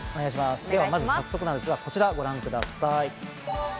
まず早速ですが、こちらをご覧ください。